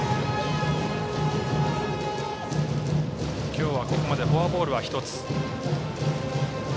今日はここまでフォアボールは１つ。